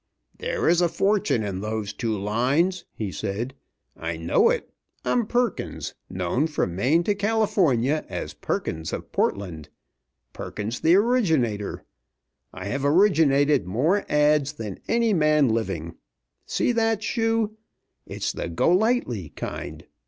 "There is a fortune in those two lines," he said. "I know it I'm Perkins, known from Maine to California as Perkins of Portland, Perkins the Originator. I have originated more ads. than any man living. See that shoe? It's the 'Go lightly' kind.